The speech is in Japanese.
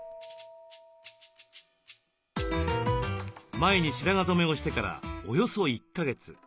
前に白髪染めをしてからおよそ１か月。